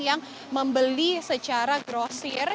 yang membeli secara grossier